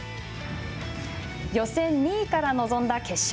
予選２位から臨んだ決勝。